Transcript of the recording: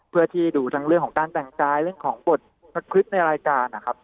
เพื่อที่ดูทั้งเรื่องของการแต่งกายเรื่องของบทสคริสต์ในรายการนะครับ